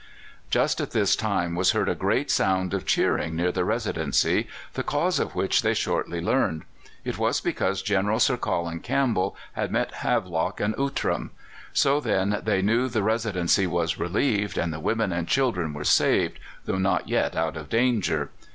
Just at this time was heard a great sound of cheering near the Residency, the cause of which they shortly learned. It was because General Sir Colin Campbell had met Havelock and Outram. So then they knew the Residency was relieved, and the women and children were saved, though not yet out of danger.